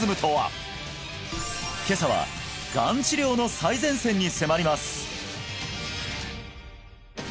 今朝はがん治療の最前線に迫ります